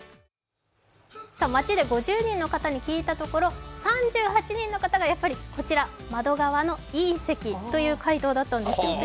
街で５０人の方に聞いたところ、３８人の方がやっぱり窓側のＥ席という回答だったんですよね。